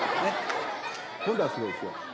今度はすごいですよ